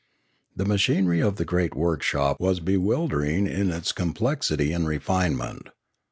The machinery of the great workshop was bewildering in its complexity and refinement.